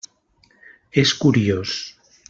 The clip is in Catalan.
És curiós.